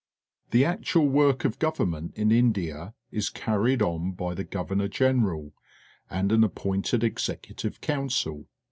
The actual work of government in India is carried on by the Governoij^Gfineral and an appointed Executh'e Council.